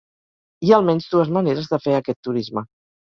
Hi ha almenys dues maneres de fer aquest turisme.